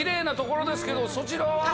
そちらは？